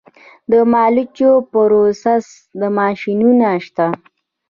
د مالوچو پروسس ماشینونه شته